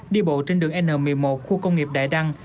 đi bộ trên đường n một mươi một khu công nghiệp đại đăng